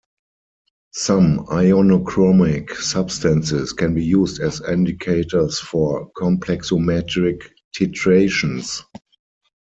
Some ionochromic substances can be used as indicators for complexometric titrations.